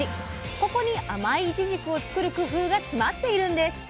ここに甘いいちじくを作る工夫が詰まっているんです。